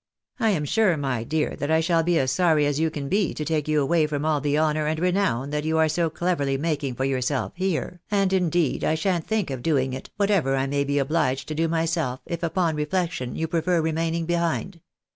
I am sure, my dear, that I shall be as sorry as you can be to take you away from all the honour and renown that you are so cleverly making for yourself here, and indeed I shan't think of doing it, whatever I may be obliged to do myself, if upon reflection you prefer remaining behind.